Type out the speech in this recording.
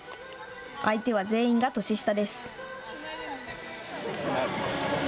相手は全員が年下です。